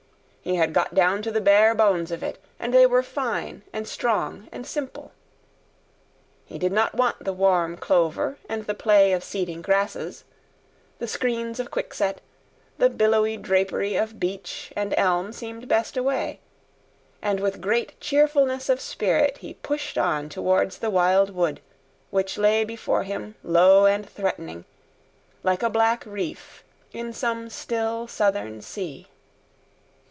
He had got down to the bare bones of it, and they were fine and strong and simple. He did not want the warm clover and the play of seeding grasses; the screens of quickset, the billowy drapery of beech and elm seemed best away; and with great cheerfulness of spirit he pushed on towards the Wild Wood, which lay before him low and threatening, like a black reef in some still southern sea.